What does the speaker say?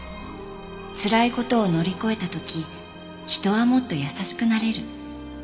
「辛いことを乗り越えた時人はもっと優しくなれる」